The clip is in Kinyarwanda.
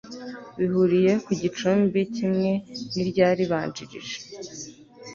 bihuriye ku gicumbi kimwe n'iryaribanjirije